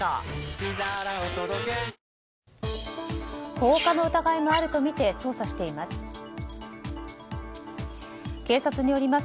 放火の疑いもあるとみて捜査しています。